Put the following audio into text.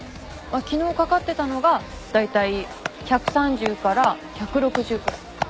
昨日かかってたのがだいたい１３０から１６０くらい。